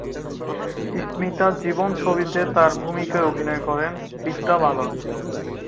স্মিতার জীবনছবিতে তাঁর ভূমিকায় অভিনয় করেন বিদ্যা বালন।